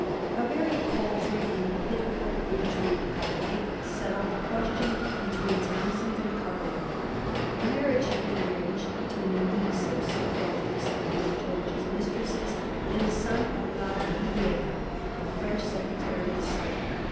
A very paltry and pitiful intrigue at length settled the question between Townshend and Carteret. A marriage had been arranged between a niece, or so called niece, of one of George's mistresses and the son of La Vrilliere, the French Secretary of State.